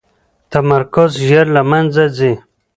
تمرکز ژر له منځه ځي.